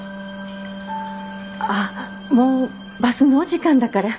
あっもうバスの時間だから。